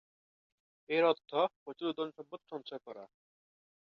এর অর্থ প্রচুর ধন-সম্পদ সঞ্চয় করা।